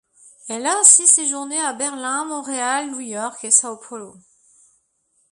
Elle a ainsi séjourné à Berlin, Montréal, New York et Sao Paulo.